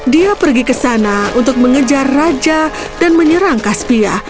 dia pergi ke sana untuk mengejar raja dan menyerang kaspia